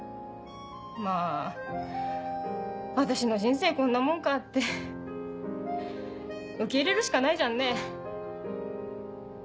まぁ私の人生こんなもんかって受け入れるしかないじゃんね。